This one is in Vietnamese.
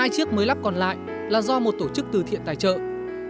hai chiếc mới lắp còn lại là do một tổ chức từ thiện tài trợ